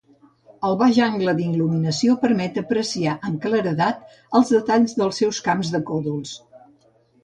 El baix angle d'il·luminació permet apreciar amb claredat els detalls dels seus camps de còdols.